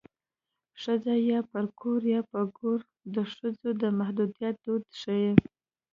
ښځه یا پر کور یا په ګور د ښځو د محدودیت دود ښيي